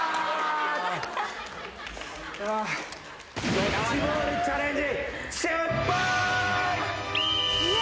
ドッジボールチャレンジ。